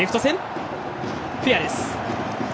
フェアです。